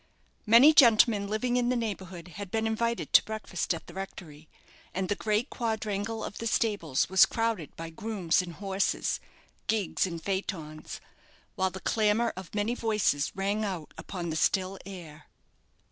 Many gentlemen living in the neighbourhood had been invited to breakfast at the rectory; and the great quadrangle of the stables was crowded by grooms and horses, gigs and phaetons, while the clamour of many voices rang out upon the still air.